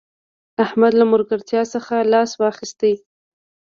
احمد له ملګرتیا څخه لاس واخيست